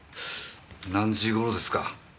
何時頃ですか？